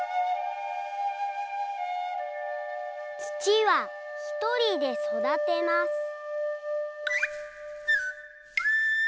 「土はひとりで育てます。」